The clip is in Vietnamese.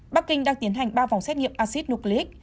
bắc kinh đang tiến hành ba vòng xét nghiệm acid nucleic